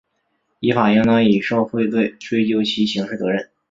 依法应当以受贿罪追究其刑事责任